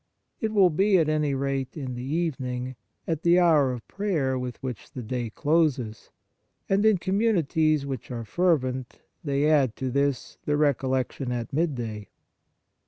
It will be, at any rate, in the evening, at the hour of prayer with which the day closes ; and in communities which are fervent, they add to this the recollection at midday.